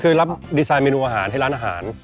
คือรับดีไซน์เมนูอาหารให้ร้านอาหาร